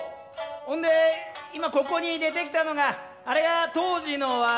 ほんで今ここに出てきたのがあれが当時の儂。